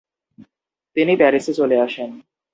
তিনি প্যারিসে চলে আসেন।